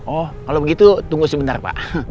oh kalau begitu tunggu sebentar pak